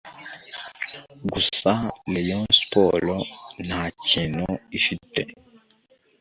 Gusa Rayon Sports nta kintu ifite